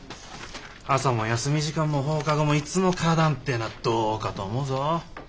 朝も休み時間も放課後もいつも花壇っていうのはどうかと思うぞ。